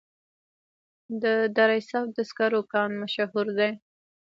د دره صوف د سکرو کان مشهور دی